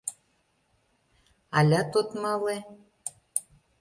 — Алят от мале?